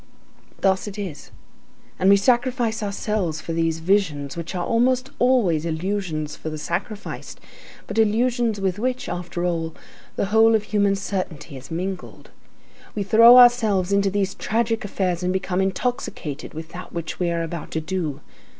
Thus it is. And we sacrifice ourselves for these visions, which are almost always illusions for the sacrificed, but illusions with which, after all, the whole of human certainty is mingled. We throw ourselves into these tragic affairs and become intoxicated with that which we are about to do.